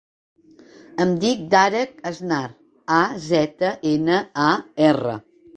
Em dic Darek Aznar: a, zeta, ena, a, erra.